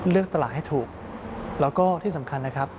เลือกตลาดให้ถูกแล้วก็ที่สำคัญนะครับ